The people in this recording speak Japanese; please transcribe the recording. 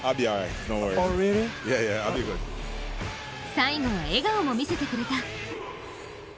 最後は笑顔も見せてくれた。